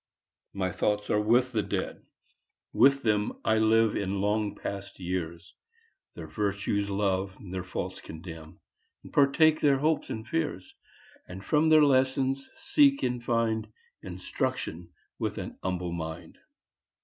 My thoughts are with the Dead, with them I live in long past years, Their virtues love, their faults condemn, Partake their hopes and fears, And from their lessons seek and find Instruction with ^n humble mind.